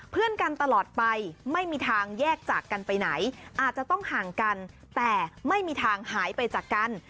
เพื่อนกันตลอดไปไม่มีทางแยกจากกันไปไหนอาจจะต้องห่างกันแต่ไม่มีทางหายไปจากกัน